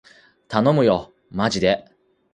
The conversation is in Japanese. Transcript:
たのむよーまじでー